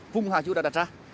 vùng hà châu đã đặt ra